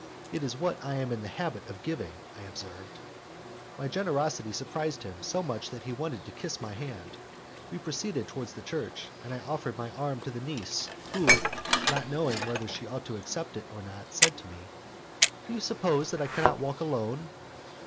"It is what I am in the habit of giving," I observed. My generosity surprised him so much that he wanted to kiss my hand. We proceeded towards the church, and I offered my arm to the niece who, not knowing whether she ought to accept it or not, said to me, "Do you suppose that I cannot walk alone?"